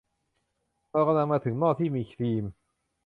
เรากำลังมาถึงหม้อที่มีครีม